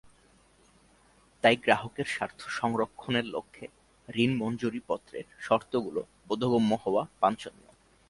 তাই গ্রাহকের স্বার্থ সংরক্ষণের লক্ষ্যে ঋণ মঞ্জুরিপত্রের শর্তগুলো বোধগম্য হওয়া বাঞ্ছনীয়।